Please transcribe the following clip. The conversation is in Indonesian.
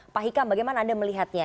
pak hikam bagaimana anda melihatnya